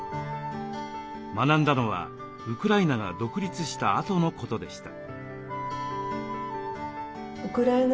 学んだのはウクライナが独立したあとのことでした。